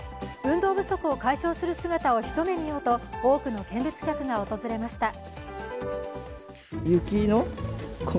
運動不足を解消する姿を一目見ようと多くの見物客が訪れました。